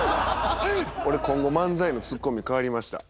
俺今後漫才のツッコミ変わりました。